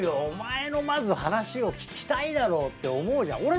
お前のまず話を聞きたいだろうって思うじゃん。